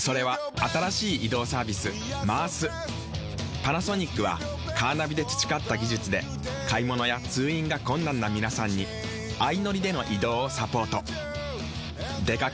パナソニックはカーナビで培った技術で買物や通院が困難な皆さんに相乗りでの移動をサポート。